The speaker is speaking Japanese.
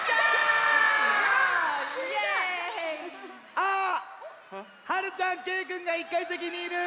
あっはるちゃんけいくんが１かいせきにいる！